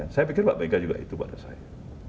saya pikir mbak mega juga itu pada saya